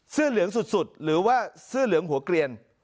เสื้อเหลืองสุดหรือว่าเสื้อเหลืองหัวเกลียน